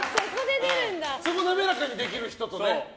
そこ、滑らかにできる人とね。